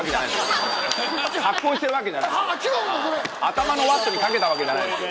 頭のワットに掛けたわけじゃないですよ。